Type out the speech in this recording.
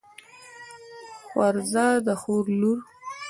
خورزه د خور لور.